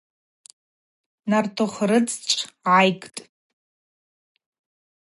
Нартыхв рыдзчӏв гӏайгтӏ.